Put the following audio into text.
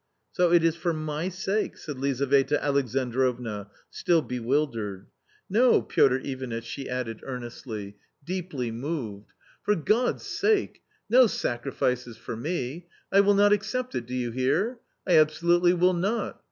" So it is for my sake !" said Lizaveta Alexandrovna, still bewildered, " no, Piotr Ivanitch 1 " she added earnestly, A COMMON STORY 275 deeply moved, " for God's sake, no sacrifices for me ! I will not accept it — do you hear ? I absolutely will not